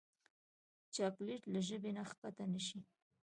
چاکلېټ له ژبې نه کښته نه شي.